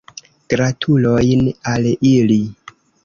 Gratulojn al ili.